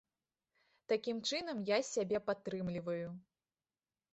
Такім чынам я сябе падтрымліваю.